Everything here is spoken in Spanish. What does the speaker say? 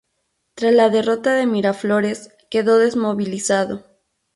Tras la derrota de Miraflores, quedó desmovilizado.